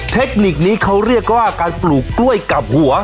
เทคนิคนี้เขาเรียกว่าการปลูกกล้วยกลับหัว